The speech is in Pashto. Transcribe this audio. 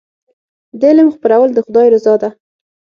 د علم خپرول د خدای رضا ده.